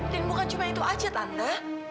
dan bukan cuma itu aja tante